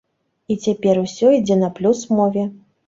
І цяпер усё ідзе на плюс мове.